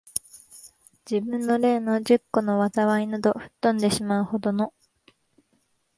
自分の例の十個の禍いなど、吹っ飛んでしまう程の、